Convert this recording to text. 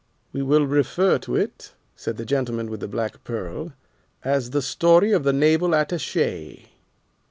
"We will refer to it," said the gentleman with the black pearl, "as 'The Story of the Naval Attache.